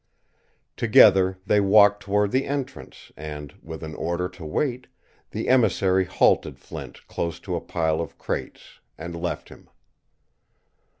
Together they walked toward the entrance and, with an order to wait, the emissary halted Flint close to a pile of crates and left him.